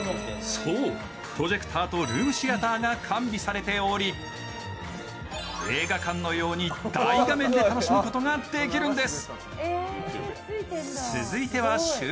そう、プロジェクターとルームシアターが完備されており映画館のように大画面で楽しむことができるんです。